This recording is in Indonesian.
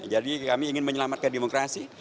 jadi kami ingin menyelamatkan demokrasi